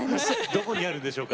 どこにあるんでしょうか？